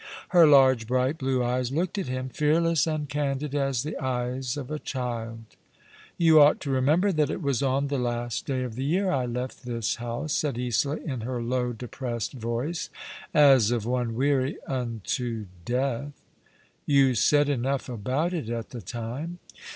Her largo, bright, blue eyes looked at him — fearless and candid as the eyes of a child. You ought to remember that it was on the last day of 192 All along the River, the year I left this house/' said Isola, in her low, depressed voice, as of one weary unto death. " You said enough about it at the time."